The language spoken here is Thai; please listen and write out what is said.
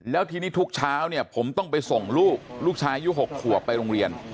แล้วทีนี้ทุกเช้าเนี่ยผมต้องไปส่งลูกลูกชายอายุ๖ขวบไปโรงเรียน